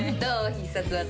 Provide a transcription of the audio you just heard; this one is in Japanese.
必殺技。